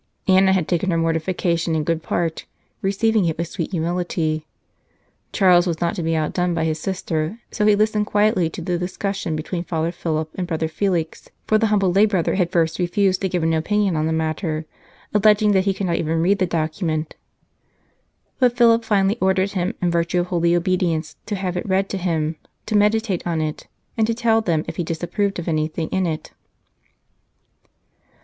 Anna had taken her mortifications in good part, receiving it with sweet humility ; Charles was not to be outdone by his sister, so he listened quietly to the discussion between Father Philip and 171 St. Charles Borromeo Brother Felix : for the humble lay brother had first refused to give an opinion on the matter, alleging that he could not even read the document ; but Philip finally ordered him in virtue of holy obedience to have it read to him, to meditate on it, and to tell them if he disapproved of anything in it.